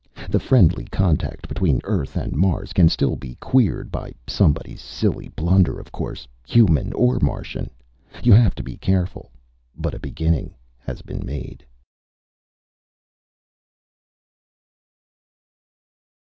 The friendly contact between Earth and Mars can still be queered by somebody's silly blunder, of course. Human or Martian. You have to be careful. But a beginning has been made.